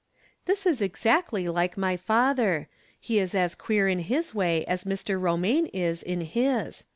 This is exactly like my father. He is as queer in his way as Mr. Romaine is in his.